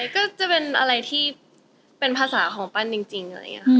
ก็จะเป็นที่ในภาษาของปั้นจริง